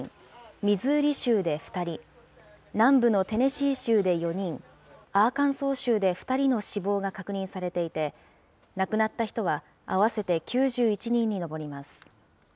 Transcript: ミズーリ州で２人、南部のテネシー州で４人、アーカンソー州で２人の死亡が確認されていて、亡くなった人は合わせて９１人に上ります。